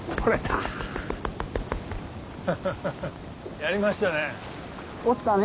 やりましたね。